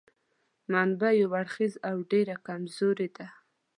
منبع یو اړخیزه او ډېره کمزورې ده.